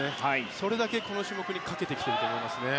それだけ、この種目にかけてきていると思いますね。